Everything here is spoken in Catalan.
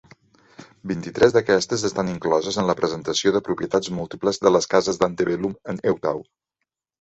Vint-i-tres d'aquestes estan incloses en la presentació de propietats múltiples de les cases d'Antebellum en Eutaw.